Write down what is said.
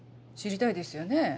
知りたいですよね？